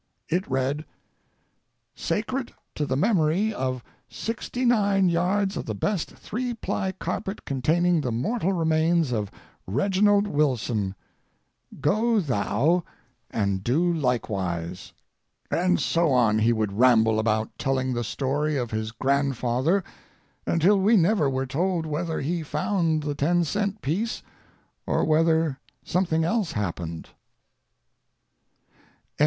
It read: Sacred to the memory of sixty nine yards of the best three ply carpet containing the mortal remainders of REGINALD WILSON Go thou and do likewise And so on he would ramble about telling the story of his grandfather until we never were told whether he found the ten cent piece or whether something else happened.